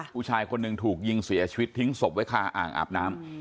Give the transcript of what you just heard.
ผู้ชายคนหนึ่งถูกยิงเสียชีวิตทิ้งศพไว้คาอ่างอาบน้ำ